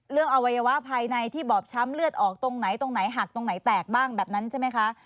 อวัยวะภายในที่บอบช้ำเลือดออกตรงไหนตรงไหนหักตรงไหนแตกบ้างแบบนั้นใช่ไหมคะ